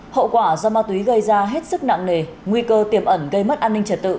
hậu quả do ma túy gây ra hết sức nặng nề nguy cơ tiềm ẩn gây mất an ninh trật tự